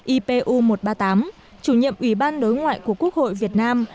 ipu một trăm ba mươi tám chủ nhiệm ủy ban đối ngoại của quốc hội việt nam